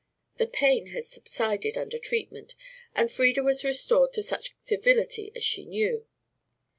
The pain had subsided under treatment, and Frieda was restored to such civility as she knew.